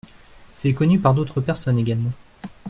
C’est connu par d’autres personnes également.